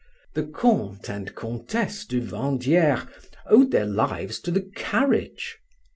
The Comte and Comtesse de Vandieres owed their lives to the carriage.